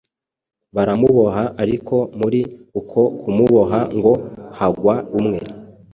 baramuboha ariko muri uko kumuboha ngo hagwa umwe